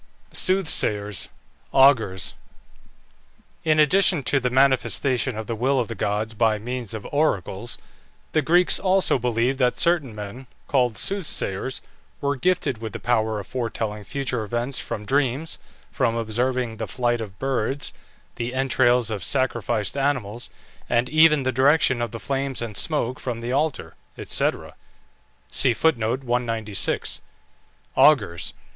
SOOTHSAYERS (AUGURS). In addition to the manifestation of the will of the gods by means of oracles, the Greeks also believed that certain men, called soothsayers, were gifted with the power of foretelling future events from dreams, from observing the flight of birds, the entrails of sacrificed animals, and even the direction of the flames and smoke from the altar, &c. AUGURS.